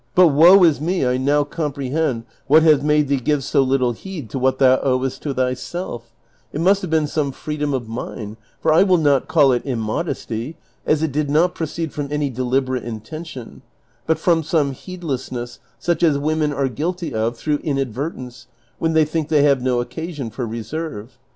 But, woe is me, 1 now comprehend what has made thee give so little heed to what thou owest to thyself; it must have been some freedom of mine, I'or I will not call it immodesty, as it did not proceed from any deliberate intention, but from some heedlessness such as women are guilty of through inadvertence when they think they have no occasion for reserve.